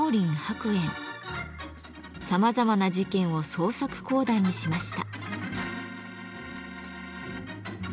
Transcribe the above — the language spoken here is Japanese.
さまざまな事件を創作講談にしました。